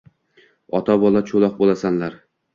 Ota-bola choʻloq boʻlasanlar.